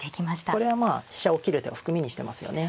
これはまあ飛車を切る手を含みにしてますよね。